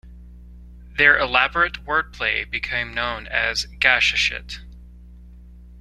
Their elaborate word play became known as "Gashashit".